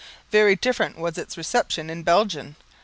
Very different was its reception in Belgium.